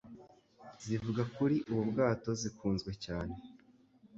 zivuga kuri ubu bwato zakunzwe cyane